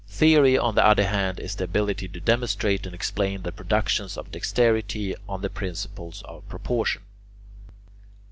Theory, on the other hand, is the ability to demonstrate and explain the productions of dexterity on the principles of proportion.